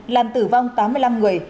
làm tử vong tám mươi năm người